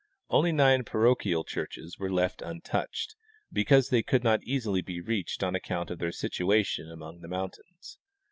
Only nine parochial churches were left untouched, because they could not easily be reached on account of their situation among the mountains.